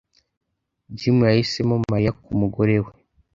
Jim yahisemo Mariya kumugore we